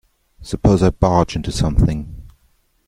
Suppose I barge into something.